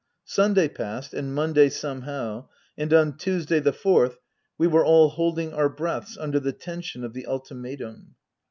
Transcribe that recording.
Sunday passed, and Monday somehow ; and on Tuesday, the fourth, we were all holding our breaths under the tension of the Ultimatum.